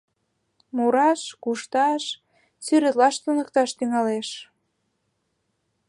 Мураш, кушташ, сӱретлаш туныкташ тӱҥалеш.